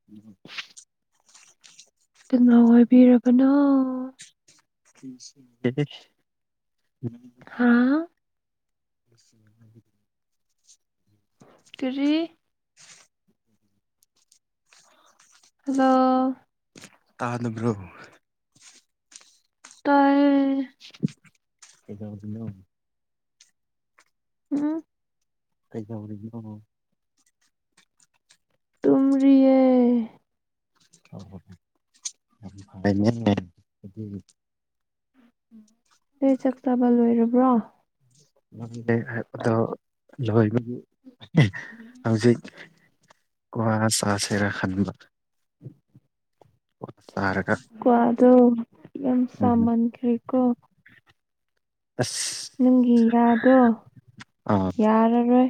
[inaudible] ꯀꯥꯟꯅ ꯑꯣꯏꯕꯤꯔꯕꯅꯣ [unintelligible] ꯍꯥꯥ [unintelligible] ꯀ꯭ꯔꯤ [unintelligible] ꯍꯜꯂꯣ ꯇꯥꯗꯥꯕ꯭ꯔꯣ ꯇꯥꯏꯌꯦ ꯀꯩꯗꯧꯔꯤꯅꯣ ꯎꯝ ꯀꯩꯗꯧꯔꯤꯅꯣ ꯇꯨꯝꯔꯤꯌꯦ [unintelligible] ꯅꯣꯏ ꯆꯥꯛ ꯆꯥꯕ ꯂꯣꯏꯔꯕ꯭ꯔꯣ ꯉꯝꯗꯦ ꯍꯥꯏꯕꯗꯣ ꯂꯣꯏꯕꯒꯤ [inaudible] ꯍꯧꯖꯤꯛ ꯀ꯭ꯋꯥ ꯆꯥꯁꯤꯔ ꯈꯟꯕ [inaudible] ꯁꯥꯔꯒ ꯀ꯭ꯋꯥꯗꯣ ꯌꯥꯝ ꯆꯥ ꯃꯟꯈ꯭ꯔꯦꯀꯣ ꯑꯁ ꯅꯪꯒꯤ ꯌꯥꯗꯣ ꯑꯥ ꯌꯥꯔꯔꯣꯏ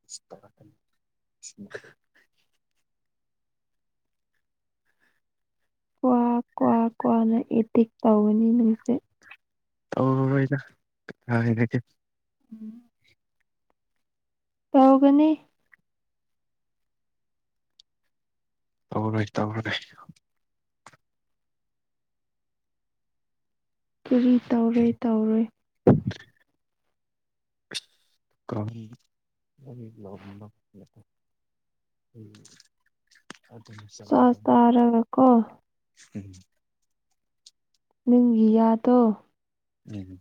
[unintelligible] ꯀ꯭ꯋꯥ ꯀ꯭ꯋꯥ ꯀ꯭ꯋꯥꯅ ꯑꯦꯇꯤꯛ ꯇꯧꯕꯅꯤ ꯅꯪꯁꯦ ꯇꯧꯔꯣꯏꯗ ꯀꯥꯏꯗꯒꯤ ꯎꯝ ꯇꯧꯒꯅꯤ ꯇꯧꯔꯣꯏ ꯇꯧꯔꯣꯏ ꯀꯔꯤ ꯇꯧꯔꯣꯏ ꯇꯧꯔꯣꯏ ꯀꯔꯤ [unintelligible] ꯎꯝ ꯑꯗꯨꯅꯦ [unintelligible] ꯆꯥꯛ ꯆꯥꯔꯒꯀꯣ ꯎꯝ ꯅꯪꯒꯤ ꯌꯥꯗꯣ ꯎꯝ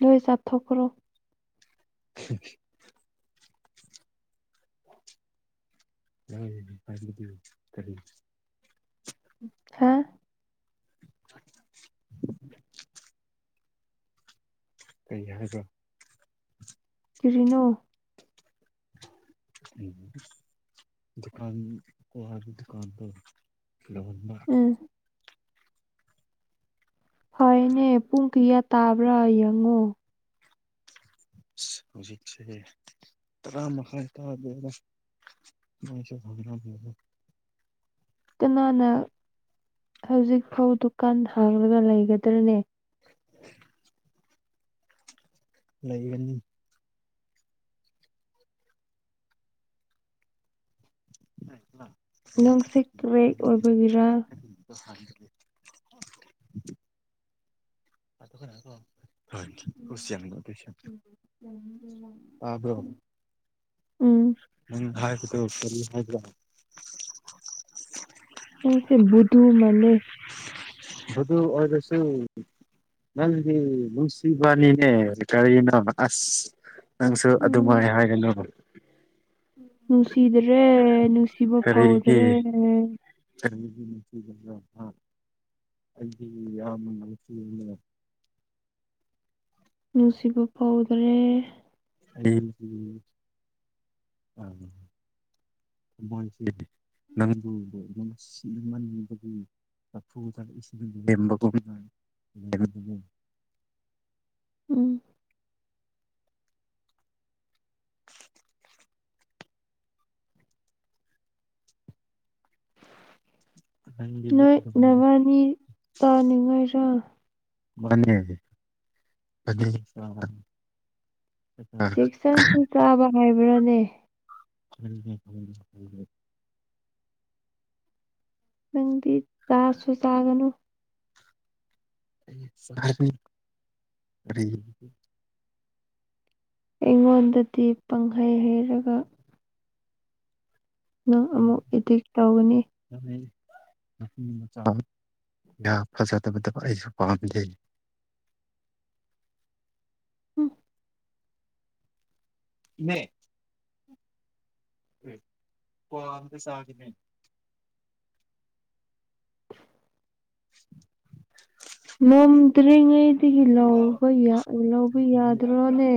ꯂꯣꯏ ꯆꯥꯊꯣꯛꯈ꯭ꯔꯣ [unintelligible] ꯅꯪ ꯑꯗꯨꯗꯤ ꯀꯔꯤ ꯍꯥ [unintelligible] [inaudible] ꯀꯩ ꯍꯥꯏꯕ ꯀꯔꯤꯅꯣ ꯎꯝ ꯗꯨꯀꯥꯟ ꯀ꯭ꯋꯥꯒꯤ ꯗꯨꯀꯥꯟꯗꯣ ꯂꯧꯍꯟꯕ ꯎꯝ ꯐꯩꯅꯦ ꯄꯨꯡ ꯀꯌꯥ ꯇꯥꯕ꯭ꯔꯥ ꯌꯦꯡꯉꯣ ꯍꯧꯖꯤꯛꯁꯦ ꯇꯔꯥ ꯃꯈꯥꯏ ꯇꯥꯗꯦꯗ [unintelligible] ꯀꯅꯥꯅ ꯍꯧꯖꯤꯛꯐꯧ ꯗꯨꯀꯥꯟ ꯍꯥꯡꯂꯒ ꯂꯩꯒꯗ꯭ꯔꯅꯦ [unintelligible] ꯂꯩꯒꯅꯤ ꯅꯪꯁꯦ ꯀ꯭ꯔꯦꯛ ꯑꯣꯏꯕꯒꯤꯔꯥ? [unintelligible] [unintelligible] ꯇꯥꯕ꯭ꯔꯣ ꯎꯝ ꯅꯪ ꯍꯥꯏꯕꯗꯣ ꯀꯔꯤ ꯍꯥꯏꯕ꯭ꯔ ꯅꯪꯁꯦ ꯕꯨꯗꯨ ꯃꯥꯟꯂꯦ ꯕꯨꯗꯨ ꯑꯣꯏꯔꯁꯨ ꯅꯪꯗꯤ ꯅꯨꯡꯁꯤꯕꯥꯅꯤꯅꯦ ꯀꯔꯤꯅꯣ ꯑꯁ ꯅꯪꯁꯨ ꯑꯗꯨꯃꯥꯏ ꯎꯝ ꯍꯥꯏꯒꯅꯨ ꯅꯨꯡꯁꯤꯕꯅꯦ ꯅꯨꯡꯁ ꯀꯔꯤꯒꯤ ꯀꯔꯤꯒꯤ ꯅꯨꯡꯁꯤꯕꯅꯣ ꯍꯥ ꯑꯩꯗꯤ ꯌꯝꯅꯥ ꯅꯨꯡꯁꯤꯕꯅꯦ ꯅꯨꯡꯁꯤꯕ ꯐꯥꯎꯗ꯭ꯔꯦ ꯑꯩꯒꯤ ꯑꯥ [unintelligible] ꯅꯪꯕꯨꯗꯣ ꯅꯨꯡꯁꯤꯃꯟꯕꯒꯤ ꯂꯥ ꯐꯨꯗ ꯏꯁꯤꯡ ꯂꯦꯝꯕ ꯒꯨꯝ [unintelligible] ꯎꯝ ꯅꯪꯒꯤ ꯅꯣꯏ ꯑꯗꯨꯝ ꯅꯕꯥꯅꯤ ꯇꯥꯅꯤꯡꯉꯥꯏꯖ ꯃꯥꯅꯦ [unintelligible] ꯖꯦꯛꯁꯟꯁꯨ ꯆꯥꯕ ꯍꯥꯏꯕ꯭ꯔꯥꯅꯦ [unintelligible] ꯅꯪꯗꯤ ꯆꯥꯛꯁꯨ ꯆꯥꯒꯅꯨ [unintelligible] ꯑꯩꯉꯣꯟꯗꯗꯤ ꯄꯪꯍꯩ ꯍꯩꯔꯒ ꯅꯪ ꯍꯣꯏ ꯑꯃꯨꯛ ꯏꯗꯤꯛ ꯇꯧꯒꯅꯤ [unintelligible] ꯅꯨꯄꯤ ꯃꯆꯥ ꯌꯥꯝ ꯐꯖꯗꯕꯥꯗ ꯑꯩꯁꯨ ꯄꯥꯝꯗꯦ [unintelligible] ꯏꯅꯦ ꯀ꯭ꯋꯥ ꯑꯝꯇ ꯆꯥꯒꯦꯅꯦ [unintelligible] ꯉꯝꯗ꯭ꯔꯤꯉꯩꯗꯒꯤ ꯀ꯭ꯋꯥ ꯂꯧꯕ ꯌꯥ ꯂꯧꯕ ꯄꯤꯕ ꯌꯥꯗ꯭ꯔꯣꯅꯦ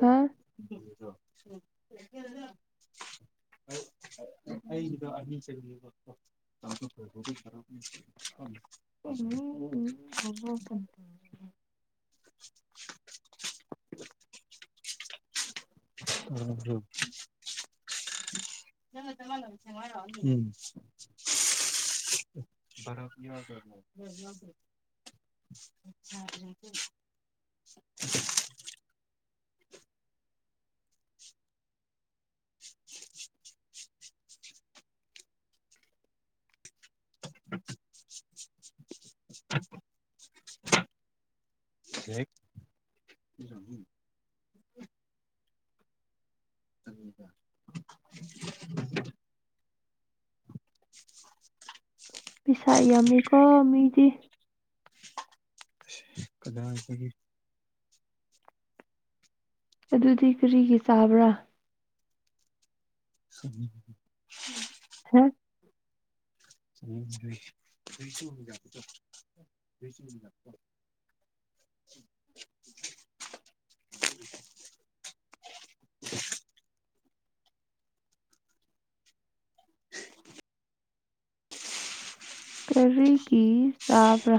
ꯍꯥ ꯑꯩ ꯑꯩꯒꯤꯗꯣ ꯑꯅꯤ [unintelligible] [unintelligible] [unintelligible] [inaudible] [unintelligible] [unintelligible] ꯅꯪꯒ ꯆꯞ ꯃꯥꯟꯅꯕ ꯁꯦꯝꯃꯣ ꯍꯥꯏꯔꯣ [unintelligible] [unintelligible] [unintelligible] [inaudible] [unintelligible] [unintelligible] ꯍꯦꯛ [unintelligible] [inaudible] ꯄꯩꯁꯥ ꯌꯥꯝꯃꯤꯀꯣ ꯃꯤꯗꯤ [unintelligible] ꯀꯗꯥꯏꯗꯒꯤ ꯑꯗꯨꯗꯤ ꯀꯔꯤꯒꯤ ꯆꯥꯕ꯭ꯔꯥ [unintelligible] [unintelligible] [unintelligible] ꯑꯩꯁꯨ ꯌꯥꯒꯗꯕꯥ ꯑꯩꯁꯨ [unintelligible] ꯀꯔꯤꯒꯤ ꯆꯥꯕ꯭ꯔꯥ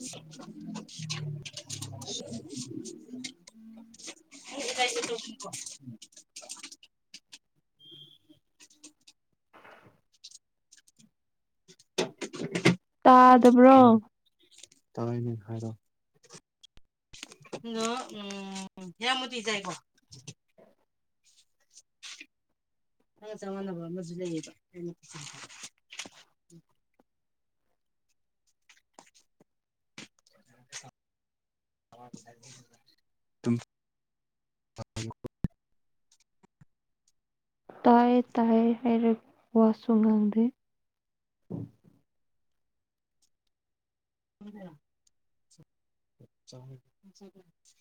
[inaudible] [unintelligible] ꯇꯥꯗꯕ꯭ꯔꯣ ꯇꯥꯏꯅꯦ ꯍꯥꯏꯔꯣ ꯅ ꯎꯝ ꯍꯦꯔꯥꯃꫭꯠꯇꯤ ꯆꯥꯏꯀꯣ ꯅꯪꯒ ꯆꯞ ꯃꯥꯟꯅꯕ ꯑꯃꯖꯨ ꯂꯩꯌꯦꯕ [unintelligible] [unintelligible] ꯇꯥꯏꯌꯦ ꯇꯥꯏꯌꯦ ꯍꯥꯏꯔ ꯋꯥꯁꯨꯨ ꯉꯥꯡꯗꯦ [unintelligible] ꯆꯥꯏ [unintelligible]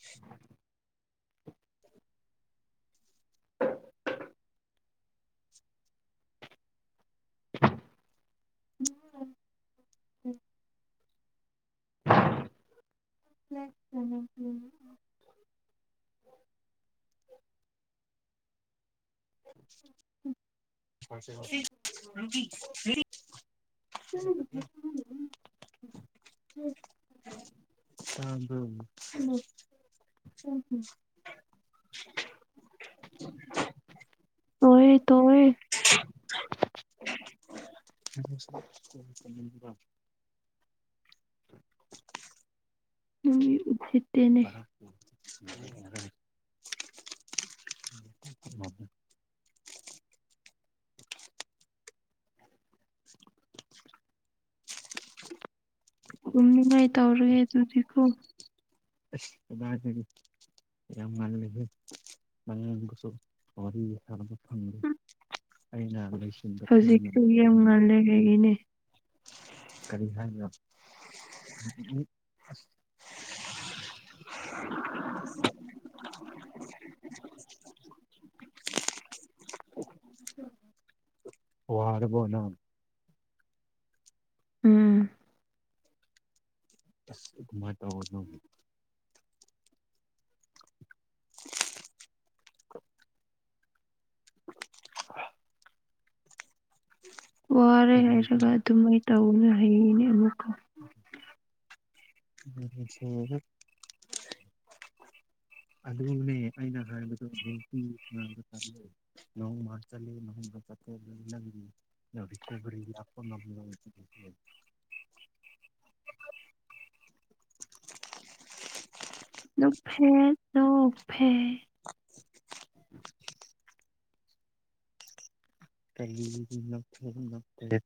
[inaudible] [inaudible] [unintelligible] [unintelligible] ꯇꯥꯕ꯭ꯔꫭ [unintelligible] [inaudible] ꯑꯣꯏ ꯌꯦ ꯇꯣ [unintelligible] ꯃꯤ ꯎꯁꯤꯠ [unintelligible] [inaudible] ꯇꯨꯝꯅꯤꯉꯥꯏ ꯇꯧꯔꯒꯦ ꯑꯗꯨꯗꯤꯀꯣ ꯑꯁ ꯏꯕꯥꯟꯅꯤ [unintelligible] ꯌꯥꯝ ꯉꯜꯂꯤꯍꯦ [unintelligible] ꯋꯥꯔꯤ ꯁꯥꯟꯅꯕ ꯐꯪꯗꯦ ꯑꯩꯅ ꯂꯣꯏꯁꯤꯟꯕ ꯊꯦꯡꯅ ꯍꯧꯖꯤꯛꯁꯨ ꯌꯥꯝ‌ ꯉꯜꯂꯤ ꯍꯥꯏꯌꯦꯅꯦ ꯀꯔꯤ ꯍꯥꯏꯔꫭ [unintelligible] [unintelligible] [inaudible] [inaudible] ꯋꯥꯔꯕꯣ ꯅꯪ ꯎꯝ ꯑꯁ ꯀꯝꯃꯥꯏ ꯇꯧꯕꯅꯣ [inaudible] [unintelligible] ꯋꯥꯔꯦ ꯇꯧꯒꯅꯨ ꯍꯥꯏꯔꯒ ꯑꯗꯨꯝꯃꯥꯏꯅ ꯇꯧꯅꯨ [unintelligible] ꯑꯃꯨꯛꯀ ꯅꯨꯡꯁꯤꯍꯦ ꯑꯗꯨꯅꯦ ꯑꯩꯅ ꯍꯥꯏꯕꯗꫭ ꯅꯨꯡꯇꯤꯒꯤ ꯁꯥꯟꯅꯕ [unintelligible] ꯅꯣꯡ ꯃꯔꯛ ꯆꯠꯂꯦ [unintelligible] ꯅꯪꯗꯤ [unintelligible] [inaudible] ꯅꯣꯛꯐꯦꯠ ꯅꯣꯛꯐꯦꯠ [inaudible] ꯀꯩꯒꯤ ꯅꫭꯛꯐꯦꯠ ꯅꫭꯛꯐꯦꯠ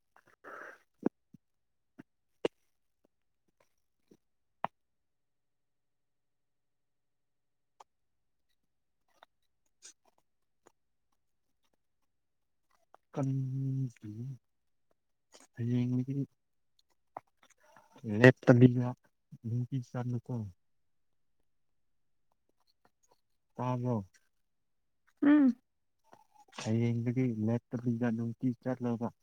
[unintelligible] ꯍꯌꯦꯡꯗꯒꯤ [unintelligible] ꯃꯦꯒꯤ ꯆꯥꯅꯨꯀꫭ ꯇꯥꯕ꯭ꯔꯣ ꯎꯝ ꯍꯥꯌꯦꯡꯗꯒꯤ ꯂꯦꯞꯇꯕꯤꯗ ꯅꯨꯡꯇꯤ ꯆꯠꯂꯣꯀꫭ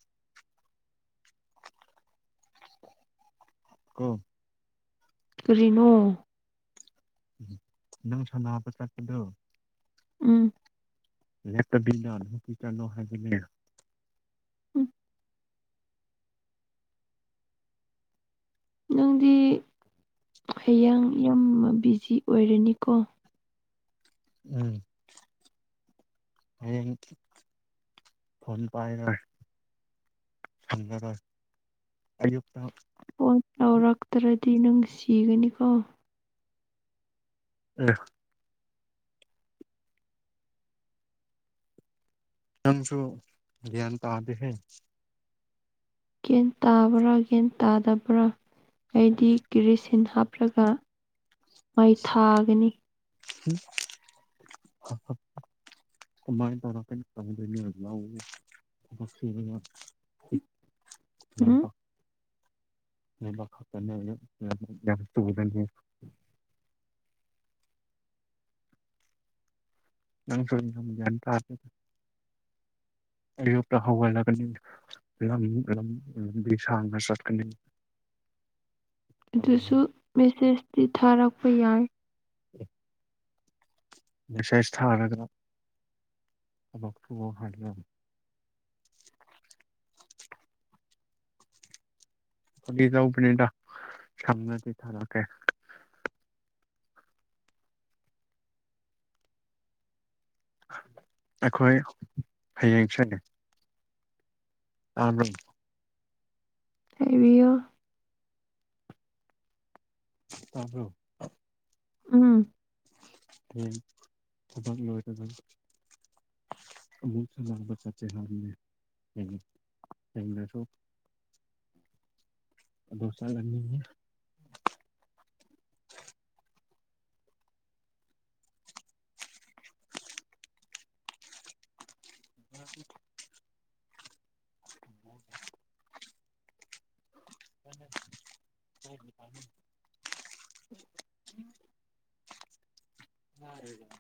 ꯀꯣ ꯀꯔꯤꯅꯣ ꯅꯪ ꯁꯥꯟꯅꯕ ꯆꯠꯄꯗꯣ ꯎꯝ ꯂꯦꯞꯇꯕꯤꯗ ꯑꯗꯨꯝ ꯆꯠꯂꯣ ꯍꯥꯏꯕꯅꯦ ꯎꯝ ꯅꯪꯗꯤ ꯍꯌꯦꯡ ꯌꯨꯝ ꯕꯤꯖꯤ ꯑꯣꯏꯔꯅꯤꯀꯣ ꯎꯝ ꯍꯌꯦꯡ ꯐꯣꯟ ꯄꯥꯏꯔꫭꯏ ꯐꯪꯉꯔꫭꯏ ꯑꯌꯨꯛꯇ ꯐꯣꯟ ꯇꯧꯔꯛꯇ꯭ꯔꯗꯤ ꯅꯪ ꯁꯤꯒꯅꯤꯀꯣ ꯑꯦ ꯅꯪꯁꯨ ꯒ꯭ꯌꯥꯟ ꯇꯥꯗꯦꯍꯦ ꯒ꯭ꯌꯥꯟ ꯇꯥꯕ꯭ꯔ ꯒ꯭ꯌꯥꯟ ꯇꯥꯗꯕ꯭ꯔ ꯑꯩꯗꯤ ꯀꯦꯔꯤꯁꯤꯟ ꯍꯥꯞꯔꯒ ꯃꯩ ꯊꯥꯒꯅꯤ [unintelligible] ꯑꯃꯥꯏ ꯇꯧꯔꯛꯀꯅꯤ [unintelligible] [unintelligible] ꯎꯝ ꯂꯥꯏꯕꯛ ꯂꯥꯏꯕꯛ ꯈꯛꯇꯅꯤ [unintelligible] ꯅꯪꯁꯨ ꯌꯥꯝ ꯌꯥꯟ ꯇꯥꯗꯦ ꯑꯌꯨꯛꯇ ꯍꯧꯒꯠꯂꯒꯅꯤꯗ ꯂꯝ ꯂꯝ ꯂꯝꯕꯤ ꯁꯥꯡꯅ ꯆꯠꯀꯅꯤ ꯑꯗꯨꯁꯨ ꯃꯦꯁꯦꯁꯇꯤ ꯊꯥꯔꯛꯄ ꯌꯥꯏ [unintelligible] ꯃꯦꯁꯦꯁ ꯊꯥꯔꯒ ꯊꯕꯛ ꯇꯣꯛꯑꯣ ꯍꯥꯏ [unintelligible] ꯐꯥꯒꯤ ꯇꯧꯕꯅꯤꯗ ꯁꯪꯉꯗꯤ ꯊꯥꯔꯛꯀꯦ ꯑꯈꯣꯏ ꯍꯌꯦꯡꯁꯦ ꯇꯥꯕ꯭ꯔꯣ ꯍꯥꯏꯕꯤꯌꯣ ꯇꯥꯕ꯭ꯔꯣ ꯎꯝ ꯍꯌꯦꯡ ꯊꯕꯛ ꯂꫭꯏꯔꯒ ꯑꯃꯨꯛ [unintelligible] ꯆꯠꯁꯦ ꯍꯥꯏꯕꯅꯦ [unintelligible] ꯑꯗꫭ ꯆꯠꯂꯅꯤ [inaudible] [inaudible] [unintelligible] [inaudible] ꯆꯥꯔꫭꯏꯗꯕ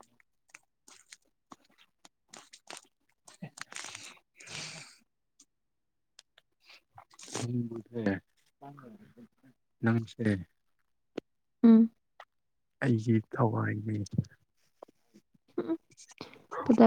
[unintelligible] ꯅꯪꯁꯦ ꯎꯝ ꯑꯩꯒꯤ ꯊꯋꯥꯏꯅꯦ [unintelligible]